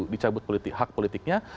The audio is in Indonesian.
dicabut hak politiknya